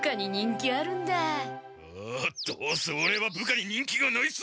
ああどうせオレは部下に人気がないさ！